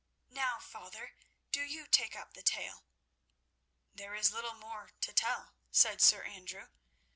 Now, father, do you take up the tale." "There is little more to tell," said Sir Andrew.